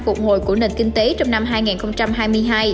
phục hồi của nền kinh tế trong năm hai nghìn hai mươi hai